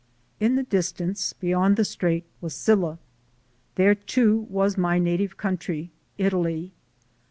In the distance beyond the strait was Scilla ; there too was my native coun try, Italy.